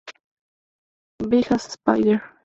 Big Ass Spider!